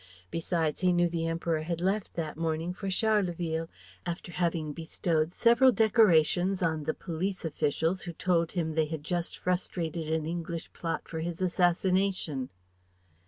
Besides, he knew the Emperor had left that morning for Charleville, after having bestowed several decorations on the police officials who told him they had just frustrated an English plot for his assassination.